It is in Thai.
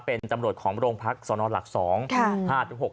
เป็นตำรวจของโรงพักสนหลัก๒